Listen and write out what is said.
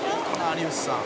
有吉さん」